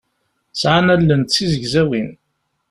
Sɛan allen d tizegzawin.